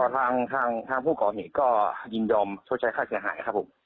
แล้วก็ทางผู้กรอบนี้ก็ยินยอมชดใช้ค่าเสียหายครับผม